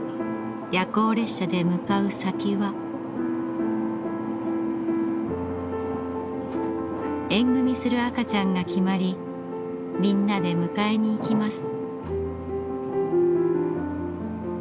夜行列車で向かう先は縁組する赤ちゃんが決まりみんなで迎えに行きます。